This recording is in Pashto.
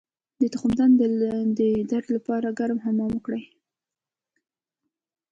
د تخمدان د درد لپاره ګرم حمام وکړئ